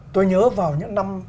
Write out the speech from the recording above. tôi nhớ vào những năm